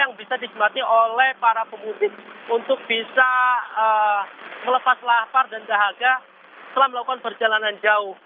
yang bisa dijemati oleh para pemudik untuk bisa melepas lapar dan dahaga setelah melakukan perjalanan jauh